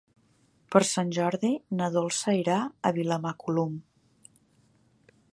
Per Sant Jordi na Dolça irà a Vilamacolum.